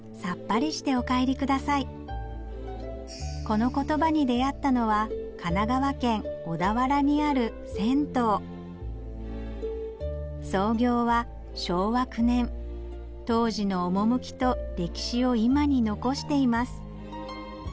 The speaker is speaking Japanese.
このコトバに出合ったのは神奈川県小田原にある銭湯創業は昭和９年当時の趣と歴史を今に残しています